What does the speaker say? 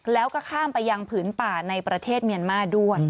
แล้วก็ข้ามไปยังผืนป่าในประเทศเมียนมาร์ด้วย